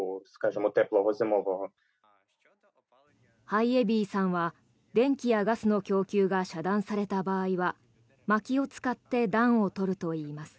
ハイェヴィイさんは電気やガスの供給が遮断された場合はまきを使って暖を取るといいます。